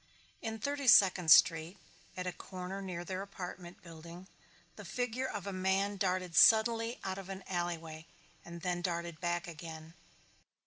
In Thirty Second Street, at a corner near their apartment building, the figure of a man darted suddenly out of an alleyway and then darted back again.